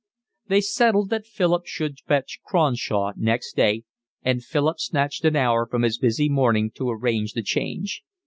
They settled that Philip should fetch Cronshaw next day, and Philip snatched an hour from his busy morning to arrange the change.